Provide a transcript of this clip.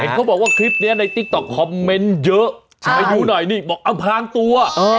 เขาบอกว่าคลิปนี้ในติ๊กต๊อกคอมเมนต์เยอะไปดูหน่อยนี่บอกอำพลางตัว